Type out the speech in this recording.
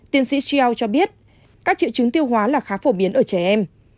tiến sĩ chel cho biết các triệu chứng tiêu hóa là khá phổ biến ở trẻ em